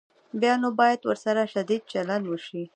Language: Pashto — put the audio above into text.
بیا نو باید ورسره شدید چلند وشي.